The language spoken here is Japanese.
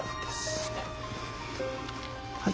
はい。